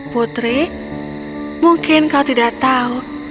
putri mungkin kau tidak tahu